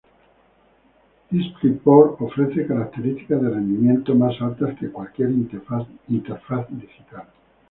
DisplayPort ofrece características de rendimiento más altas que cualquier interfaz digital.